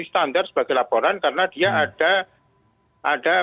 standar sebagai laporan karena dia ada